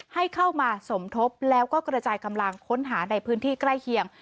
ให้เข้ามาสมทบแล้วก็กระจายกำลังค้นหาในพื้นที่ใกล้เคียง